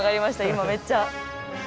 今めっちゃ。